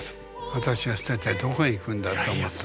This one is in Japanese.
私を捨ててどこへ行くんだと思った。